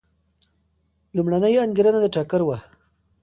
لومړنۍ انګېرنه د ټکر وه.